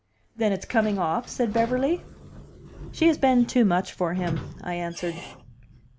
"Then it's coming off?" said Beverly. "She has been too much for him," I answered.